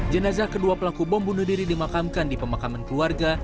jenazah kedua pelaku bom bunuh diri dimakamkan di pemakaman keluarga